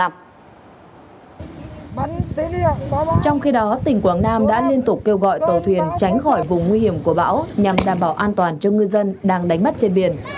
trong khi đó tỉnh quảng nam đã liên tục kêu gọi tàu thuyền tránh khỏi vùng nguy hiểm của bão nhằm đảm bảo an toàn cho ngư dân đang đánh bắt trên biển